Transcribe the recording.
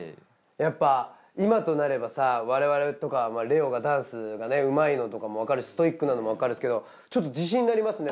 やっぱ今となればさ我々とか玲於がダンスがうまいのとかもわかるしストイックなのもわかるんですけどちょっと自信になりますね。